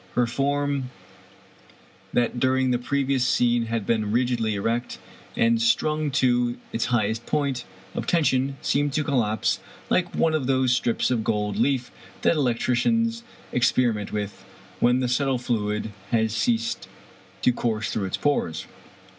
Her form, that during the ^previous scene had been rigidly erect and strung to its highest point of tension, seemed to collapse like one of those strips of gold leaf that electricians ex periment with, when the subtle fluid has ceased to course through its pores.